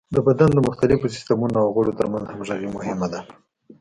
د بدن د مختلفو سیستمونو او غړو تر منځ همغږي مهمه ده.